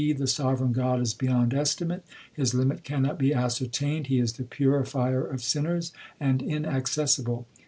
The sovereign God is beyond estimate ; His limit cannot be ascertained ; He is the purifier of sinners, and inaccessible.